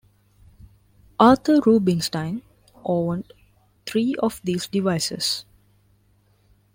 Arthur Rubinstein owned three of these devices.